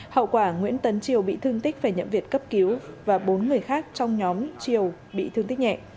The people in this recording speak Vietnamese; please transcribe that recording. hậu quả nguyễn tấn triều bị thương tích phải nhậm việt cấp cứu và bốn người khác trong nhóm triều bị thương tích nhẹ